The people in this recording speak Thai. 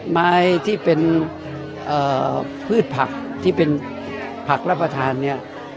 ไม้ที่เป็นพืชผักที่เป็นผักรับประทานเนี่ย